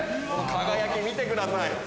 この輝き、見てください。